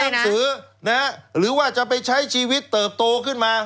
เรียนเรื่องหนังสือนะครับหรือว่าจะไปใช้ชีวิตเติบโตขึ้นมา